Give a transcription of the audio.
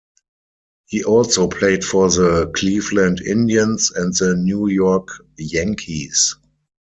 He also played for the Cleveland Indians and the New York Yankees.